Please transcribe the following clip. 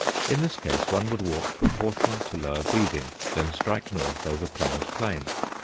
In this case one would walk from Horsham to Lower Beeding, then strike north over Plummer's Plain.